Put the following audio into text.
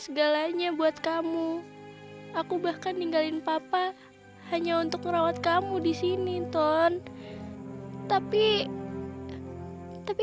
segalanya buat kamu aku bahkan ninggalin papa hanya untuk merawat kamu disini ton tapi tapi